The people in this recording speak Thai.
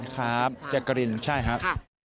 ครับจักรินใช่ครับ